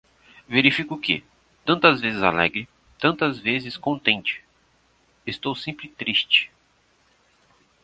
Verifico que, tantas vezes alegre, tantas vezes contente, estou sempre triste.